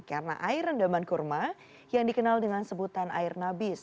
karena air rendaman kurma yang dikenal dengan sebutan air nabis